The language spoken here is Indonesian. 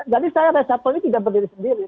jadi saya resapel ini tidak berdiri sendiri